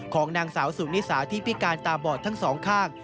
ของนางสาวสุนิสาที่พิการตาบอดทั้งสองข้าง